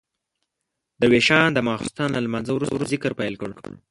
درویشان د ماخستن له لمانځه وروسته ذکر پیل کړ.